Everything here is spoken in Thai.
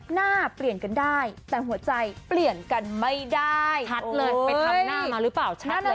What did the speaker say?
หน้าเปลี่ยนกันได้แต่หัวใจเปลี่ยนกันไม่ได้ชัดเลยไปทำหน้ามาหรือเปล่าชัดเลย